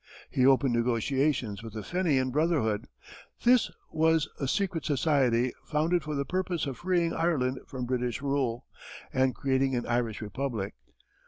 He opened negotiations with the Fenian Brotherhood. This was a secret society founded for the purpose of freeing Ireland from British rule and creating an Irish Republic.